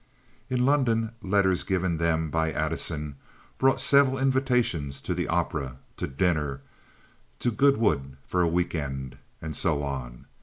In London letters given them by Addison brought several invitations to the opera, to dinner, to Goodwood for a weekend, and so on.